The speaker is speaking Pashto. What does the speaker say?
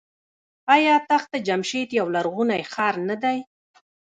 آیا تخت جمشید یو لرغونی ښار نه دی؟